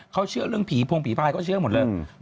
เขาเชื่อเรื่องผีพงผีพายเขาเชื่อหมดเลย